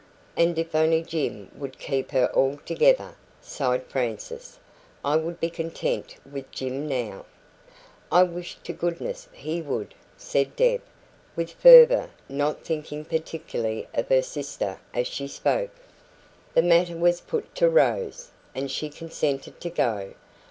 "And if only Jim would keep her altogether!" sighed Frances. "I would be content with Jim now." "I wish to goodness he would!" said Deb, with fervour not thinking particularly of her sister as she spoke. The matter was put to Rose, and she consented to go.